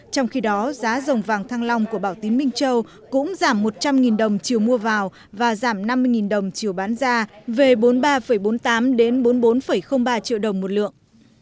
trong khi đó giá dòng vàng thăng long của bảo tín minh châu cũng giảm một trăm linh đồng chiều mua vào và giảm năm mươi đồng chiều bán ra về bốn mươi ba bốn mươi tám bốn mươi bốn ba triệu đồng một lượng